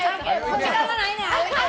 時間がないんや！